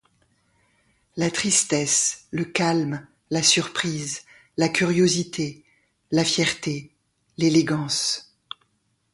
la tristesse, le calme, la surprise, la curiosité, la fierté, l’élégance